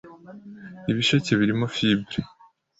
Ibisheke birimo fibre